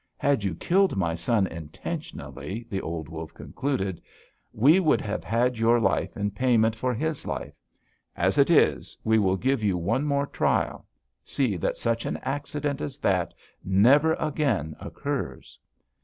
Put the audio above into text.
'Had you killed my son intentionally,' the old wolf concluded, 'we would have had your life in payment for his life. As it is, we will give you one more trial: see that such an accident as that never again occurs!'